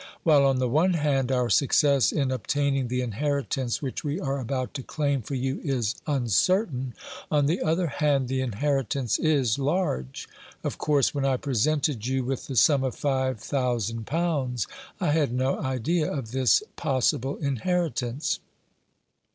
While, on the one hand, our success in obtaining the inheritance which we are about to claim for you is uncertain, on the other hand the inheritance is large. Of course, when I presented you with the sum of five thousand pounds, I had no idea of this possible inheritance."